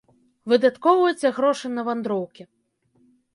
Выдаткоўвайце грошы на вандроўкі.